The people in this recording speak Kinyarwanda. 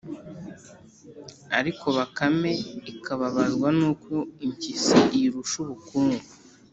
ariko bakame ikababazwa n’uko impyisi iyirusha ubukungu